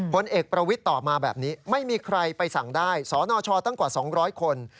ผลเอกประวิทย์ตอบมาแบบนี้ไม่มีใครไปสั่งได้สนชตั้งกว่า๒๐๐คน